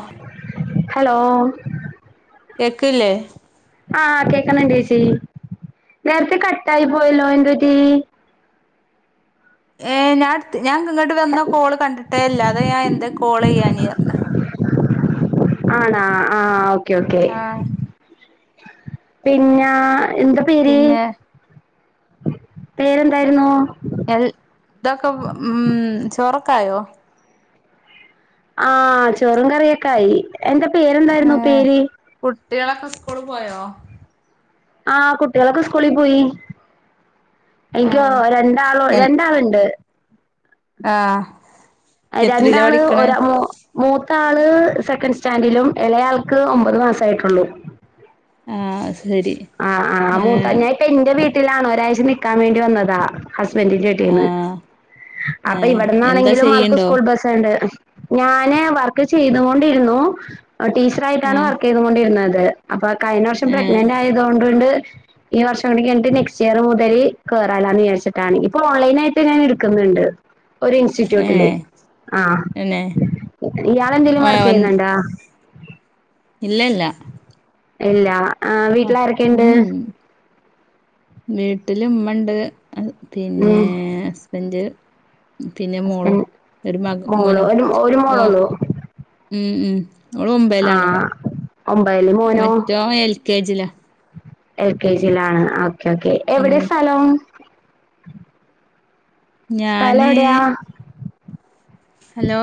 ആഹ് hello കേക്കില്ലേ കേൾക്കുന്നുണ്ട് ചേച്ചി നേരത്തെ കട്ട് ആയി പോയല്ലോ എന്തുപറ്റി ഏ ഞാനെട്ത്തി ഞാൻ ഇങ്ങോട്ട് വന്ന കോള് കണ്ടിട്ടേ ഇല്ലാ അത് ഞാൻ എന്താ കോള് ചെയ്യാഞ്ഞേന്ന് ആണാ ആഹ് ഓ ഓക്കെ ഓക്കെ ആഹ് പിന്നെ എന്ത പേര് പിന്നെ പേരെന്താരുന്നു ഏ ഇതൊക്കെ ഉം ചോറൊക്കെ ആയോ ആഹ് ചോറും കറിയൊക്കെ ആയി എന്ത പേരെന്താരുന്നു ഏഹ് പേര് കുട്ടികളൊക്കെ സ്കൂളി പോയോ ആഹ് കുട്ടികളൊക്കെ സ്കൂളിൽ പോയി എനിക്ക് ആഹ് രണ്ടാളോ എൻ രണ്ടാളുണ്ട് ആഹ് എത്രയിലാ രണ്ടാള് പഠിക്കണെ ഒരാ മു മൂ മൂത്താള് സെക്കൻഡ് സ്റ്റാൻഡിലും ഇളേയാൾക്ക് ഒമ്പത് മാസം ആയിട്ടുള്ളു ആഹ് ശരി ആഹ് ആ മൂത്തെ ഏഹ് ഞാൻ ഇപ്പം എന്റെ വീട്ടിലാണ് ഒരാഴ്ച നി ക്കാൻ വേണ്ടി വന്നതാ ഹസ്ബൻഡിന്റെ വീട്ടീന്ന് ആഹ് അപ്പൊ ഏഹ് എന്താ ഇവിടുന്നാണെങ്കിലും ആൾക്ക് ചെയ്യണ്ടോ സ്കൂൾ ബസ്സുണ്ട് ഞാന് വർക്ക് ചെയ്തോണ്ടിരുന്നു ടീച്ചറായിട്ടാണ് ആഹ് വർക്ക് ചെയ്തുകൊണ്ടിരുന്നത് ടെ അപ്പൊ കഴിഞ്ഞ വർഷം ഏഹ് പ്രഗ്നന്റ് ആ ണ്ടുണ്ട് ഈ വർഷം കൂടി കഴിഞ്ഞിട്ട് നെക്സ്റ്റ് ഇയർ മുതല് കേറാലോന്ന് വിചാരിച്ചിട്ടാണ് ഇപ്പൊ ഓൺലൈൻ ആയിട്ട് ഞാന് ഇട്ക്കുന്നുണ്ട് ഒരു ഇൻസ്റ്റിറ്റ്യൂട്ടില് ഏഹ് ആ പിന്നെ ഇയാൾ എന്തെങ്കലും വർക്ക് ഏഹ് ചെയ്യുന്നുണ്ടോ ഇല്ല ഇല്ല ഇല്ല ആഹ് വീട്ടിലാരെക്കെയ്ണ്ട്? ഉം ട്ടില് ഉമ്മണ്ട് അഅ് പിന്നേ അസ്ബൻഡ് പിന്നെ മോളും ഹസ്ബൻഡ് ഒരു മക മോള് മോനും ഒരു ഒരു ഒ മോളൊള്ളൂ ഉം ഉം ഓള് ഒമ്പയിലാണ് ആഹ് ഒമ്പതില് മോനോ മറ്റോ എൽ കെ ജി ലാ എൽ കെ ജിയിലാണ് ഓക്കെ കെ എവിടെ ഉം സ്ഥലം [inaudible] സ്ഥലം ഞാന് എവിടെയാ ഹലോ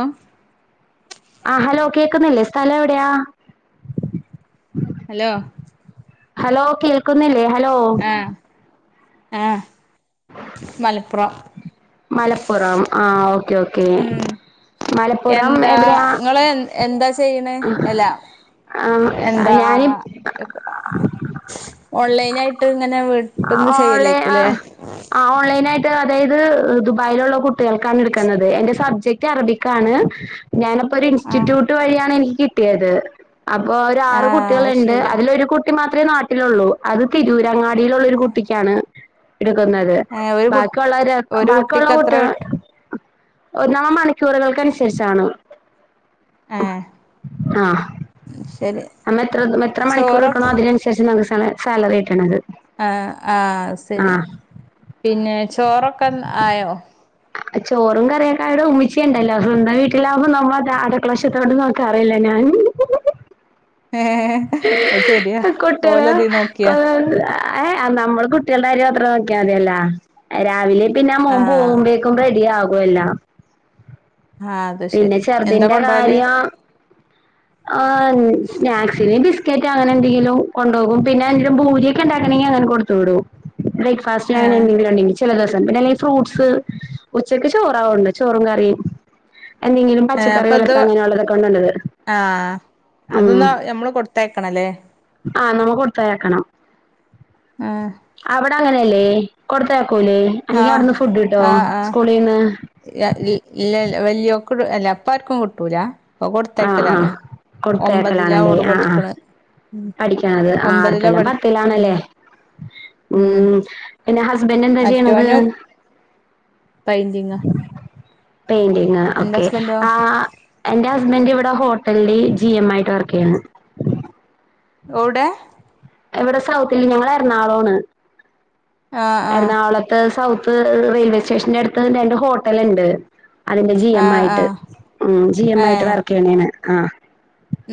ആഹ് കേക്കുന്നില്ലേ സ്ഥലം എവിടെയാ ഹലോ ഹലോ കേൾക്കുന്നില്ലേ ഹലോ ആഹ മല മലപ്പുറം ആ ഓക്കെ, ഓക്കേ ഉം മലപ്പുറം എന്താ എവിടെയാ ഇങ്ങള് [unintelligible] അല്ല ആ എന്താ ഞാന് യാട്ട് ഓൺലൈ ആ ഓൺലൈനായിട്ട് അതായത് ദുബായിലുള്ള കുട്ടികൾക്കാണ് എടുക്കുന്നത് എന്റെ സബ്ജക്ട് അറബിക്കാണ് ഞാനപ്പൊ ഒരു ആഹ് ഇസ്റ്റിറ്റ്യൂട്ട് വഴിയാണ് എനിക്ക് കിട്ടിയത്. അപ്പൊ ഒര് ആറ് ആഹ് കുട്ടികൾണ്ട് ശരി അതിലൊരു കുട്ടി മാത്രം. ത്രേ നാട്ടിലുള്ളൂ അത് തിരൂരങ്ങ ഇടയിലുള്ളരു കുട്ടിക്കാണ് എടുക്കുന്നത് ഏ ഒരു കു ബാക്കിയുള്ളവര് ഒരു ബാക്കിയുള്ള കുട്ടിക്ക് എത്ര കുട്ടികൾ കിട്ടും ആ മണിക്കൂറുകൾക്കസരിശണ് ഏ ആ ശരി നമ്മൾ എത്ര എത്ര മണിക്കൂർ ചോറൊ നിക്കണം അതിനനുസരിച്ച് നമ്മക്ക് സാലറി സാലറി ആയിട്ടാണ് അത് ആ ആ സരി പിന്നെ ചോറൊക്കെ ആയോ ചോറും കറിയൊക്കായുടെ ഉമ്മിച്ചി ഉണ്ടല്ലോ സ്വന്തം വീട്ടിലാകുമ്പോ നമ്മ അടുക്കള വശത്തോട്ട് നോക്കാറില്ല ഞാൻ ഏ അത് ശരിയാ കുട്ടിയോൾ ഓലതി നോക്കിയാ ഏ നമ്മള് കുട്ടികളുടെ കാര്യം മാത്രം നോക്കിയാൽ മതിയല്ലോ രാവിലിം പിന്നെ ആ മോൻ പോവുമ്പേക്കും റെഡി ആകും എല്ലാം ആ അത് പിന്നെ ശരി എന്താ ചെറുതിന്റെ കൊണ്ടോവല് കാര്യം ആ സ്നാക് പിന്നെ ഈ ബിസ്ക്കറ്റോ അങ്ങനെ എന്തെങ്കിലും കൊണ്ടോകും പിന്നെന്തെങ്കിലും പൂരിയൊക്കെ ഉണ്ടാക്കാണെങ്കി അങ്ങനെ കൊടുത്ത് വിടും ബ്രേക്ഫാസ്റ്റ് ഏ അങ്ങനെ എന്തെകിലും ഉണ്ടെങ്കി ചില ദിവസം പിന്നെ അല്ലേൽ ഫ്രുട്സ് ഉച്ചക്ക് ചോറാ കൊണ്ട് ചോറും കറിയും എന്തെങ്കിലും ഏ പച്ചക്കറി അപ്പൊ ഉലത്ത ഇത് അങ്ങനെ ഉള്ളതൊക്കെ ആണ് നല്ലത് ആ ആ അതൊന്ന് നമ്മള് കൊടുത്തയക്കണല്ലേ ആഹ് നമ്മുക്ക് കൊടുത്തയക്കണം ആ അവ് ടെ അങ്ങനല്ലേ കൊടുത്ത ക്കൂലേ ആ അല്ലെങ്കിൽ അവിടുന്ന് ഫുഡ് കിട്ടോ സ്കൂളീന്ന് ഇല്ലല്ല വല്യൊ ക്ക് ട് അല്ല ഇപ്പ ആർക്കും കിട്ടൂല്ല ആഹ് ആഹ് കൊടുത്തയക്കലാണ് ലേ ഓള് ആഹ് ആ പഠിക്കണ് പഠിക്കണത് ആ ഒമ്പതിലാ അടുത്തൊല്ലം പഠി പത്തിലാണ് ലേ ഉം ഉം ഊം പിന്നെ ഹസ്ബൻഡന്താ ചെയ്യണത് മറ്റോനും പെയിന്റിങ്ങാ പെയിന്റിങ് അന്റെ ഓക്കെ ഹസ്ബന്റോ ആ എൻ്റെ ഹ ഇവിടെ ഹോട്ടൽല് ജി എം ആയിട്ട് വർക്ക് ചെയ്യാണ് ഒവ്ടെ ഇവിടെ സൗത്തില് ഞങ്ങള് എറണാകുളം ആണ് ആഹ് ആഹ് എറണാകുളത്ത് സൗ ത്ത് റെയിൽവേ സ്റ്റേഷൻന്റെ അടുത്ത് രണ്ട് ഹോട്ടല് ഇണ്ട് അതിന്റെ ജി എം ആഹ് ആയിട്ട് ആഹ് ഉം ജി എം ആയിട്ട് ഏഹ് വർക്ക് ചെയ്യണേണ് ആഹ്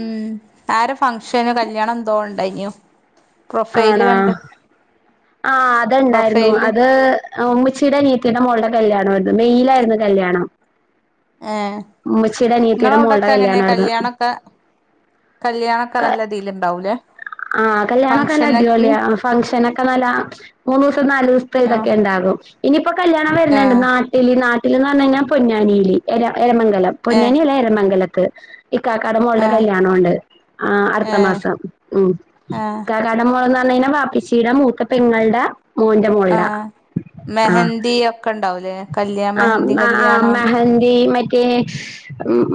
ഉം ആര ഫംഗഷന് കല്യാണം എന്തോ ഉണ്ടായിന്യോ ആണോ ആ അത്ണ്ടായിരുന്നു പ്രൊഫൈല് അത് ഉമ്മിച്ചീടെ അനിയത്തീടെ മോളുടെ കല്യാണവാര് ന്ന് മെയിലായിരുന്നു കല്ല്യാണം ഏ ഇങ്ങള മോളുടെ അവിടൊക്കെ എങ്ങനെ കല്യാണമായിരുന്നു കല്യാണൊക്കെ കല്യാണ ഒക്കെ നല്ല ഇതിലുണ്ടാവൂലേ ആ കല്യാണക്കെ നല്ല ഫംഗ്ഷനൊക്കെ അടിപൊളിയാ ഫംഗ്ഷനൊക്കെ നല്ല മൂന്നു ദിവസം നാലു ദിവസത്തെ ആഹ് ഇതൊക്കെ ഇണ്ടാകും ഇപ്പൊ കല്യാണം വരുന്നുണ്ട് ആഹ് നാട്ടില് നാ [unintelligible] പറഞ്ഞ് കഴിഞ്ഞാൽ പൊന്നാനില് എരാ എരമംഗലം ഏഹ് പൊന്നാനി അല്ല എരമംഗലം [unintelligible] ഇക്കാക്കാടെ മോള്ടെ ആഹ് കല്യാണോണ്ട് ആ ഏഹ് അടുത്തമാസം ഉം ആഹ് കടാടെ മോള്ന്ന് ആ [unintelligible] വാപ്പിച്ചിടെ മൂത്ത പെങ്ങൾടെ മോന്റെ മോൾടെ ആഹ് ആ മെഹന്തി ഒക്കെ ഉണ്ടാവൂലേ കല്യാ മെഹന്തി ആ കല്യാണം മെഹന്തി മറ്റേ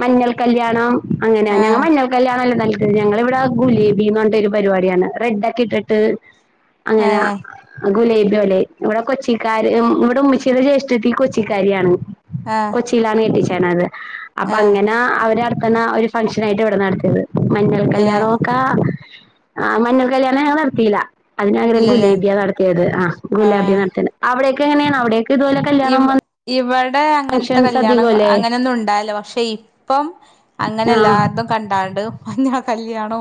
മഞ്ഞൾക്കല്യാ ല്യാണം അങ്ങനെയ ഞങ്ങ ആഹ് മഞ്ഞൾ കല്യാണല്ലോ നൽ [unintelligible] ഞങ്ങളിവിടെ ഗുലി ഭീമോന്റെ ഒരു പരിപാടിയാണ് റെഡ് ഒക്കെ ഇട്ടിട്ട് അങ്ങനെ ഏഹ് ആ ഗുലേബിയോലെ ഇവിടെ കൊച്ചിക്കാര് ഉം ഇവിടെ ഉമ്മച്ചീടെ ജ്യേഷ്ഠത്തി കൊച്ചിക്കാരിയാണ് ആഹ് കൊച്ചിയിലാണ് കെട്ടിച്ചേ ണത് അപ്പ ആഹ് അങ്ങനെ അവരടു ക്കണ ആ ഒരു ഫംഗ്ഷൻ ആയിട്ട് ഇവിടെ നടത്തിയത് മഞ്ഞൾ ഏഹ് കല്യാണൊക്കെ ആ മഞ്ഞൾ കല്യാണം ഞങ്ങള് നടത്തീല്ല അതിന് പകരം ഇല്ലല്ലേ ഗുലേബിയ നടത്തിയത് ആ ഗുലാബിയ ആഹ് നടത്ത അവിടെ ക്കങ്ങനെയാണ് അവിടെക്ക് ഇതുപോലെ കല്യാണം വന്ന് ടെ അങ്ങനത്തെ കല്യാണം അങ്ങനെയൊന്നും ഉണ്ടായില്ല പക്ഷെ ഇപ്പം അങ്ങനെ ആഹ് എല്ലാര്തും കണ്ടാൾണ്ട് മാഞ്ഞാള കല്യാണോ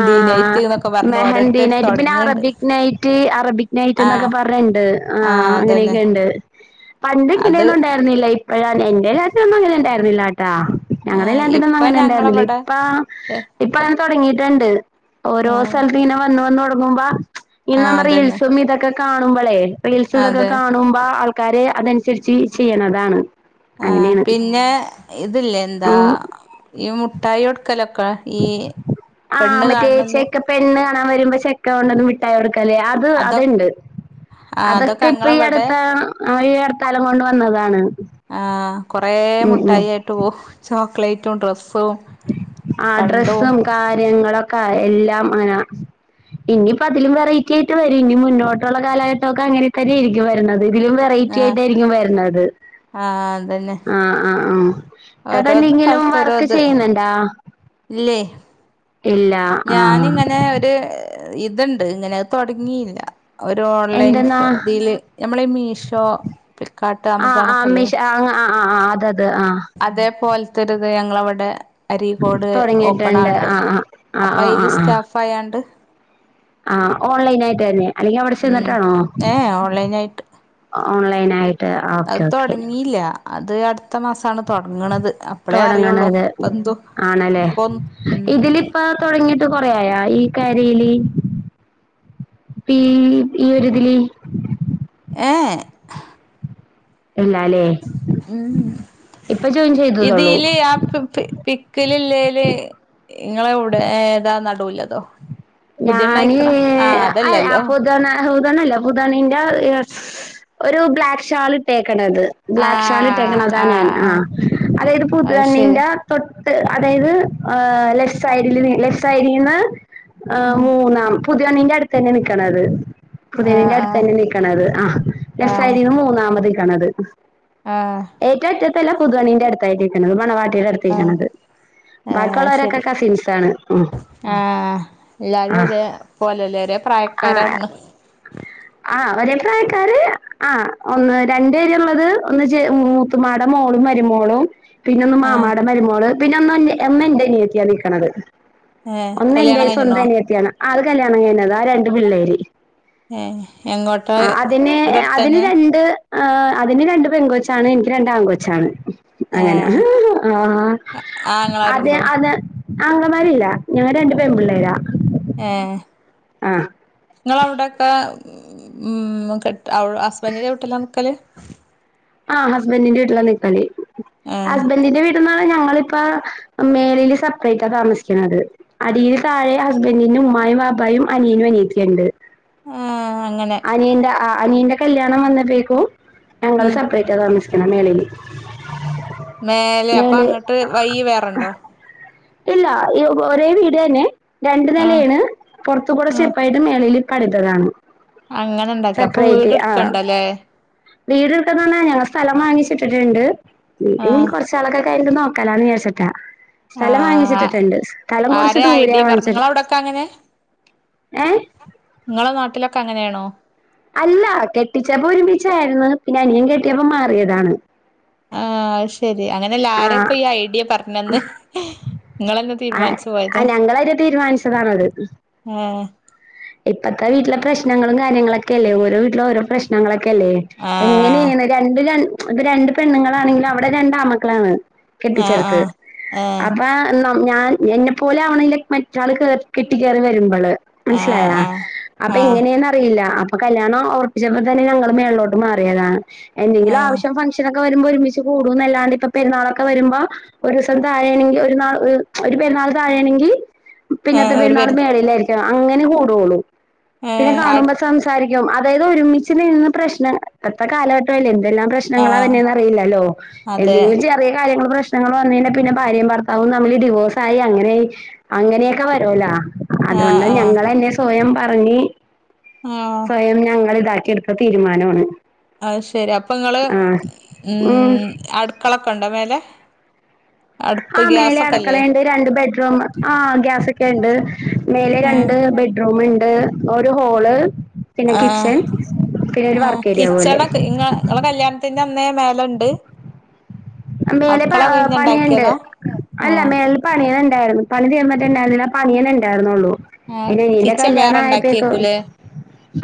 ആഹ് മെഹന്തി നൈറ്റ് പിന്നെ തൊടങ്ങ്ണ്ട് അറബിക് നൈറ്റ് അറബിക് നൈറ്റ് എന്നൊക്കെ ആഹ് പറഞ്ഞ് ഇണ്ട് ആഹ് അങ്ങനെയൊക്കെ ഇണ്ട് പണ്ട് അത് ഇങ്ങനെയൊന്നും ഉണ്ടായിരുന്നില്ല ഇപ്പ് പ്പഴാണ് എന്റെ [unintelligible] അങ്ങനെ ഇണ്ടായിരു റില ആ ഞങ്ങളെല്ലാത്തിനൊന്നും ഇപ്പ അങ്ങനെണ്ടായിരുന്നില്ല ഞങ്ങളവിടെ ഇപ്പ ഏഹ് ഇപ്പ തൊടങ്ങിയി റ്റ്ണ്ട് ഓരോ ആഹ് സൽദീന വന്നുവന്നുവന്ന് തുന്നുമ്പ ഇനി ആഹ് നമ്മ അതന്നെ റീൽസും ഇതൊക്കെ കാണുമ്പളേ റീൽസ്തൊക്കെ അതെ കാണുമ്പോ ആൾക്കാരെ അതൻസരിച്ച് ചെയ്യണതാണ്. ആഹ് അങ്ങനെയാണ് പിന്നെ ഇതില്ലേ എന്താ ഈ മുട്ടായൊട്ക്കല ക്കെ ഈ പെണ്ണ് കാൺണല് ണാൻ വരുമ്പ ചെക്കൻ വര്നതും മിട്ടായി കൊട് ക്കല്ലെ അത് അതൊ അത്ണ്ട്. ആ അതൊക്കെ ഇപ്പൊ ഈ ഞങ്ങളവിടെ അടുത്ത ഈ അടുത്താലം കൊണ്ട് വന്നതാണ്. ആ കൊറേ ഉം മുട്ടായി ആയിട്ട് പോവും. ചോ ക്ക്ളേറ്റും ഡ്രസ് ആഹ് ഡ്രസ്സും കാര്യങ്ങളൊ ക്കായെല്ലാം അങ്ങനെ. ഇനിയിപ്പോ അതിലും വെറൈറ്റി ആയിട്ട് വരും ഇനി മുന്നോട്ടുള്ള കാലഘട്ടമൊക്കെ അങ്ങനെ തന്നെയായിരിക്കും വര്ണ ഇതിലും വെറൈറ്റി ആ ആയിട്ടായിരിക്കും വര്നത് ആ അതന്നെ ആഹ് ആഹ് ആഹ് ഓരോന്ന് ഇത്താത്തെന്തെങ്കിലും കാലത്ത് ഓരോ വർക്ക് ഇത് ചെയ്യുന്നുണ്ടാ? ഇല്ലേ ഇല്ല ആഹ് ഞാനിങ്ങനെ ഒരു ഇതുണ്ട് ഇങ്ങനെ തൊടങ്ങിയില്ല ഒരു ഓൺലൈൻ എന്തെന്നാ ഇതിൽ ഞമ്മള് ഈ മീഷോ ഫ്ലിപ്കാർട്ട് ആഹ് ആമസോൺ ഒക്കെ ആഹ് ഇല്ലേ മിഷ ആഹ് ആഹ് ആഹ് അതത് ആഹ് അതേപോല ത്തരുത് ഞങ്ങളവിടെ അരിഫോഡ് ഓപ്പൺ തുടങ്ങിയിട്ടുണ്ട് ആൾട്ട് ആ ആ അപ്പ അയില് സ്റ്റാഫ്‌ ആയാണ്ട് ആഹ് ഓൺലൈനായിട്ട് തന്നെ അല്ലെങ്കിൽ അവിടെ ഉം ചെന്നിട്ടാണോ ഏ ഓൺലൈൻ ആയിട്ട് ഓൺലൈനായി അത് തൊടങ്ങിയില്ല അത് അടു അടുത്ത മാസമാണ് തുടങ്ങണത് അപ്പളേ അറിയുള്ളൂ തുടങ്ങണത് ഇപ്പ ആണല്ലേ എന്തപ്പൊ ഉ യയാ ഈ കാര്യയില് ഈ ഒരു ഇതില് ഏ ഇല്ല അല്ലേ ഉം ചെയ്തതള്ളൂ ഇതില് ആ പിക്ക് ഇല്ല ഇല്ലേല്ലേ ഇങ്ങളെ ഇവിടെ ഏതാ നട നടുക്കുള്ളതോ ഞാന് അ അപ്പൊതന്ന പുതുപെണ്ണല്ല പുധുപെണിന്റെ ഒരു ബ്ലാക്ക് ഷാൾ ഇട്ടേ ക്കണത് ആ ബ്ലാക്ക്ഷാൾ ഇട്ടേക്കണത ഞാൻ ആ അതായത് അത് ശരി പുതുപെണ്ണിന്റെ തൊ അതായത് ഹ് ലെഫ്റ്റ് സൈഡിൽ ലെഫ്റ്റ് സൈഡിൽ നിന്ന് ആഹ് ഉം മൂന്നാം പുതിപ്പെണിന്റെ അടുത്ത് തന്നെ നിൽക്കണത് ആ പുതുപ്പെണ്ണിന്റെ ആ അടുത്ത് തന്നെ നിൽക്കണത് ആ ലെഫ്റ്റ് സൈഡിന്ന് മൂന്നാമത് കണത് ആ അല്ല പുതുണിന്റെ അടുത്തായിട്ട് നിക്കുന്നത് മണവാ ആഹ് പത്തിക്കത് ഏഹ് അത് ബാക്കിയുള്ളവരൊക്കെ ശരി കസിൻസാണ് എല്ലാവരും ആഹ് ഒരേ പോലെല്ലേ ഒരേ ആഹ് പ്രായക്കാരാണ് ഉ ആ ഒരേ പ്രായക്കാര് ആ ഒന്ന് രണ്ട് പേര് ഉള്ളത് ഒന്ന് മൂത്തുമാട മോളും മരുമോളും പിന്നെ ഒന്ന് ആഹ് മാമാടെ മരുമോള് പിന്നെ ഒന്ന് എമ്മ എന്റെ അനിയത്തിയ നിൽക്കണത് ഏഹ് ഒന്ന് എന്റെ കല്യാണം സ്വന്തം കഴിഞ്ഞ്ണോ അനിയത്തിയാണ് അത് കല്ല്യാണം കഴിഞ്ഞത ആ രണ്ട് പിള്ളേര് ഏ എങ്ങോട്ടാ ആ അതിന് അവിടെ അതിന് അടുത്തന്നെ രണ്ട് ആ അതിന് രണ്ടു പെൺകൊച്ചാണ് എനിക്ക് രണ്ട് ആൺ കൊച്ചാണ് അങ്ങനെ ഏഹ് ആ അതെ ആങ്ങളാരുണ്ടോ അത് അങ്ങമാരില്ല ഞങ്ങൾ രണ്ടു പേൺപിള്ളേരാ ഏഹ് നിങ്ങളവിടൊക്കെ ഉം കെ അവി ഹസ്ബെൻ്റിൻ്റെ വീട്ടില നിക്കല് ഉ ആഹ് ഹസ്ബൻഡിന്റെ ഇീട്ടില നിക്കളി ഏഹ് ഹസ്ബൻഡറിന്റെ വീട്ടിൽന്ന ഞങ്ങള്ൾ പ്പ മേളൽ സെപ്പറേറ്റാ താമസിക്കുന്നത് അടിയിൽ താഴെ ഹസ്ബെന്റിന്റെ ഉമ്മായും ബാപ്പായും അനിയനും അനിയത്തി ഉണ്ട് ആഹ് അങ്ങനെ അനിയന്റെ ആ അനിയന്റെ കല്യാണം വന്നപ്പഴേക്കും ഞങ്ങൾ ഉം സ താമസിക്കണ മേലെന്ന് മേലെ അപ്പൊ അങ്ങട്ട് വൈ വേറണ്ടോ ഇല്ല ഈ ഒരേ വീട് തന്നെ. രണ്ട് ആഹ് നലേണ് പൊർത്ത്കൂടെ ആഹ് ചെപ്പായിട്ട് മേലയിൽ പട്തതാണ് അങ്ങനെ ഇണ്ടാക്കി അപ്പൊ സെപ്പറേറ്റ് വീട് ആഹ് ഇട്ക്കണ്ടല്ലേ വീട് എടുക്കുന്നന്നെ ഞങ്ങ സ്ഥലം വാങ്ങിച്ചിട് പ്രസിഡണ്ട് ഇ ഇനി ആഹ് കൊറച്ചാളൊക്കൊ കയിഞ്ഞിട്ട് നോ കല [unintelligible] ച്ചട്ടാ സ്ഥലം ആഹ് വാങ്ങിച്ചിട്ടിട്ടുണ്ട്, സ്ഥലം കൊറച്ച് ആരാ ദൂരെയാ ഐഡിയ പറഞ്ഞ് വാങ്ങിച്ചിട്ട് നിങ്ങള അവിടൊക്കെ അങ്ങനെ ഏ ക്ക അങ്ങനെയാണോ? അല്ല കെട്ടിച്ചപ്പോ ഒരുമിച്ചായിരുന്നു പിന്നെ അനിയൻ കെട്ടിയപ്പോ മാറിയതാണ് ആഹ് അയ്ശ [unintelligible] അങ്ങനെല്ല ആരാ ആഹ് ഇപ്പ ഈ ഐഡിയ പറഞ്ഞന്ന് നിങ്ങളെന്നാ ആഹ് തീരുമാനിച്ചു പോയതാ? ആഹ് ഞങ്ങളായിട്ട് തീരുമാനിച്ചതാണത്. ആ ഇപ്പത്തെ വീട്ടില പ്രശ്നങ്ങളും കാര്യങ്ങളൊക്കെ അല്ലേ ഓരോ വീട്ടിലും ഓരോ പ്രശ്നങ്ങളെ ക്കല്ലേ ആഹ് എങ്ങനെയാണ് രണ്ട് രണ് അത് രണ്ട് പെണ്ണുങ്ങളാണെങ്കിലും അവടെ രണ്ടാമക്കളാണ് കെട്ടിച്ചെടുത്ത് ആഹ് ആഹ് അപ്പ നാ ഞാൻ എന്നെപ്പോലെ ആവ്ണ്ല്ല മറ്റാള് കെട്ടി കയറി വരുമ്പള് ആ സ്സിലായ, അപ്പ എങ്ങനെയാന്ന് അറിയില്ല, അപ് അപ്പൊ കല്യാണം ഒർപ്പിച്ചപ്പോ തന്നെ ഞങ്ങള് മേളിലോട്ട് മാറിയതാ എന്തെങ്കിലും ആഹ് ആവശ്യം ഫങ്ഷൻ ഒക്കെ വരുമ്പോ ഒരുമിച് ത് കൂടുന്നല്ലാണ്ട് ഇപ്പ പെരുന്നാളൊക്കെ വരുമ്പോ ഒരുസം താഴെയണെങ്കി ഒരു ന്നാൾ ഒരു പെുന്നാൾ താഴെയാണെങ്കി പിന്നത്തെ ആഹ് ഒരു പെരുന്നാള് പരി മേളിലായിരിക്കും അങ്ങനെ അങ്ങനെ കൂടുള്ളൂ. പിന്നെ ഏഹ് ആട് കാണുമ്പോ സംസാരിക്കും അ അതായത് ഒരുമിച്ച് നിന്ന് പ്രശ്നം ഇപ്പത്തെ കാലഘട്ടം അല്ലേ എ തെല്ലാം ആഹ് പ്രശ്നങ്ങളതന്നെന്നറിയില്ലല്ലോ അതെ എന്തെ [unintelligible] ചെറിയ കാര്യങ്ങള് പ്രശ്നങ്ങൾ വന്നു കഴിഞ്ഞാ പിന്നെ ഭാര്യയും ഭർത്താവും തമ്മിലെ ഡിവോഴ്സ് ആയി അങ്ങനെ അങ്ങനെയൊക്കെ വരൂലാ ആഹ് അതുകൊണ്ടാ ആഹ് ഞങ്ങള സ്വയം പറഞ്ഞി ആഹ് സ്വയം ഞങ്ങൾ ഇതാക്കി എടുത്ത തീരുമാനാണ് അയു ശരി അപ്പൊ നിങ്ങള് ഉം അടുക്കളൊക്കെ ഉണ്ടോ മേലെ ആ അടുപ്പ് മേലെ അടക്കള ഗ്യാസൊക്കെല്ലേ ഉണ്ട് രണ്ട് ബെഡ്റൂം ആ ഗ്യാസൊക്കെ ഇണ്ട് മേലെ രണ്ട് ആഹ് ബെഡ്റൂമിണ്ട് ഏ ഒരു ഹോള് പിന്നെ ആ കിച്ചൺ പിന്നെ ഒരു ആ വർക്ക് ഏരിയ പോലെ കിച്ചണൊക്കെ ഞങ്ങടെ കല്യാണത്തിൻ പിന്നന്നേ അമ്മയും മേലിൽ ഉണ്ട് അ മേലെ പണിയുണ്ട് അല്ല ആഹ് മേളിൽ പണിയനുണ്ട്‌ ഉണ്ടായിരുന്നു പണി തീർന്നിട്ടുണ്ടെ അതിനെ പണിയണു ണ്ടായിരുന്നുള്ളൂ ആ കിച്ചൺ വേറുണ്ടാക്കിയേക്കൂലേ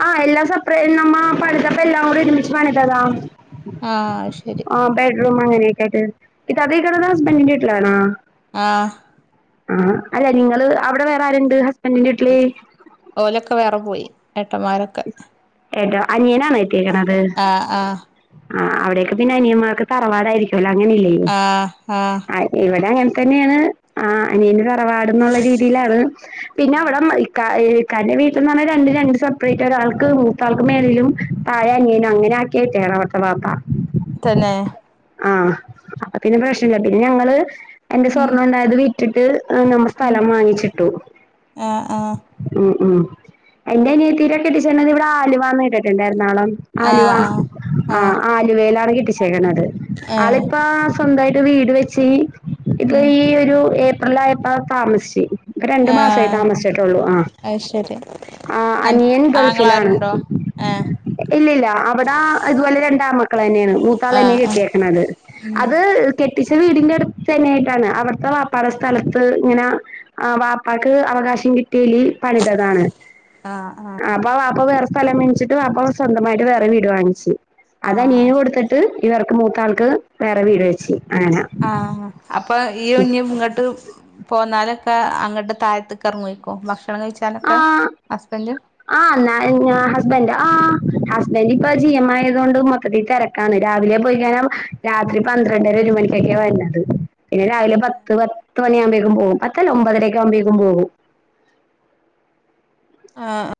ആ എല്ലാം സെപ്രേ നമ്മ പണിതപ്പം എല്ലാംകൂടെ ഒരുമിച്ച് പണിതതാ ആ ശരി [unintelligible] കേട്ട് ഇപ്പ അതേ കടതാ ഹ്പണ്ടീട്ടലണാ [unintelligible] ആ ആ അല്ല നിങ്ങളെ അവിടെ വേറാ രുണ്ട് എന്റെട്ട്ലി [unintelligible] ഒക്കെ വേറെ പോയി ഏട്ടമ്മാരൊക്കെ ഏട്ടാ അനിയൻ കെട്ടിയേക്കണത് ആഹ് ആ അവിടേക്കെ പിന്നനിയന്മാർക്ക് തറവാടായിരിക്കും ല്ല അങ്ങനെല്ലേ ആഹ് ആഹ് എവിടങ്ങ തന്നെയാണ് ആഅനിയനോരാ വാടന്നുള്ള രീതിയിലാണ് പിന്നെ ആഹ് അവിടം ഈ കായ്ൽ ഭാര്യ വീട്ടിന്നു പറഞ്ഞാൽ രണ്ട് രണ്ട് സംസ്ക്കാരം ആ ഒരാൾക്ക് മൂത്താൾക്ക് മേലിലും താഴേ അനിയനും [unintelligible] അങ്ങനെ ആക്കിയയിട്ടോണ് അവവിത്തെ വാപ്പ തന്നെ ആ അപ്പപിന്നെ പ്രശില്ല പിന്നെ ഞങ്ങളെ- എന്റെ ഉം സ്വർണ്ണം ഉണ്ടായത് വിറ്റ് ഇട്ടിട്ട് നമ്മ ഉം സ്ഥലം വാങ്ങിച്ചിട്ടു ആഹ് ആഹ് ഉം ഉം എന്റെ അനിയത്തി തിരക്കെട്ടിച്ക്ണത് ഇവിടെ ആലുവ ന്നു ഇട്ടിട്ടുണ്ടായിര ണാളം ആലുവ ആഹ് ആഹ് ആഹ് ആലു വേലാ [unintelligible] കെട്ടി വിശ്യേക്കണത് ഏഹ് ആളിപ്പോ സ്വന്തായിട്ട് വീട് വെച്ച് ഇപ്പൊ ഉം ഈ ഒരു ഏപ് പ്രിള്ളായപ്പ താമസിശി ഇപ്പൊ രണ്ടു മാസേ ആഹ് താമസിച്ചിട്ടുള്ളൂ ആഹ് അത് ശരി ആഹ് അൻ അനിയൻ ഗൾഫിലാണ് ആങ്ങളാരുണ്ടോ ഏഹ് ഇല്ലില്ല്യ അവിടെ ഇതുപോലെ രണ്ടാമക്കൾ ന്നെയാണ് മൂത്താൾ തന്നെ ആഹ് ആഹ് കെട്ടിയേക്കണത് അത് കെട്ട് ട്ടിച്ച വീടിന്റെ അടുത്ത ന്നെയായിട്ടാണ് അവിട്ത്തെ വാപ്പാടെ സ്ഥലത്ത് ഇങ്ങന വാപ്പാക്ക് അവകാശി കി ട്ടീലി പണിതതാണ് ആഹ് അപ്പ വാപ്പ വേറ സ്ഥലം മിൻച്ചിട്ട് വാപ്പ സ്വന്തമായിട്ട് വേറെ ഒര് വീട് വാങ്ങിച്ച് അതാ നീൻ ആഹ് ശരി കൊടുത്തിട്ട് ഇവർ മൂത്ത ആൾക്ക് വേറെ വീട് വെച്ച് അങ്ങനെ ആഹ് അപ്പ് അപ്പൊ ഈ ഇനിയും ഇങ്ങട്ട് പോന്നാലൊക്കെ അങ്ങോട്ട് താഴ്ത്ത് ക്കറ് ങ്ങേക്കും ഭക്ഷ ക്ഷണം കഴിച്ചാനൊക്കെ ആഹ് ഹസ്ബൻഡ് ആഹ് ന്നാ ഞാ ഹസ്ബൻഡ് ആഹ് ഹസ്ബൻഡ് ഇപ്പൊ ജിയമയിൽ തോണ്ട് മൊത്തത്തി തെരക്കാണ് രാവിലെ പോയിക്കഴിഞ രാത്രി പന്ത്രണ്ടര ഒരു മണിക്കൊക്കെ വരണത് പിന്നെ രാവിലെ പത്ത് പത്ത് മണിയാവുമ്പോഴേക്കും പോഉംപത്തല്ല ഒമ്പതരയൊക്കെ ആവുമ്പോഴേക്കും പോകും ആഹ് ആ